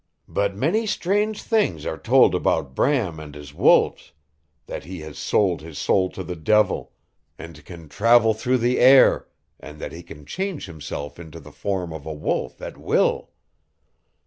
"But many strange things are told about Bram and his wolves; that he has sold his soul to the devil, and can travel through the air, and that he can change himself into the form of a wolf at will.